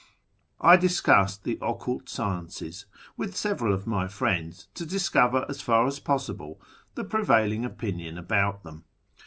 I discussed the occult sciences with several of my friends, to discover as far as possible the prevailing opinion about them.